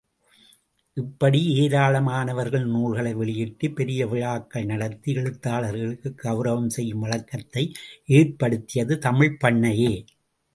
இப்படி ஏராளமானவர்களின் நூல்களை வெளியிட்டு, பெரிய விழாக்கள் நடத்தி எழுத்தாளர்களுக்குக் கெளரவம் செய்யும் வழக்கத்தை ஏற்படுத்தியது தமிழ்ப் பண்ணையே!